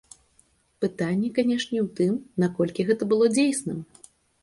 Пытанне, канешне, у тым, наколькі гэта было дзейсным.